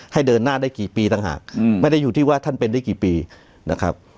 เดินหน้าได้กี่ปีต่างหากไม่ได้อยู่ที่ว่าท่านเป็นได้กี่ปีนะครับ